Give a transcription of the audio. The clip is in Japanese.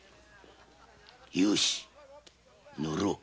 よし乗ろう！